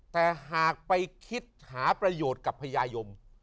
แต่หากไปคิดหาประโยชน์กับพญายม